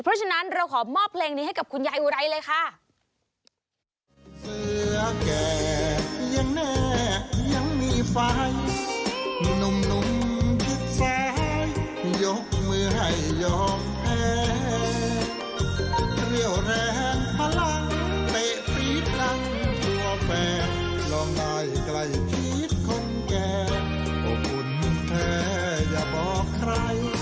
เพราะฉะนั้นเราขอมอบเพลงนี้ให้กับคุณยายอุไรเลยค่ะ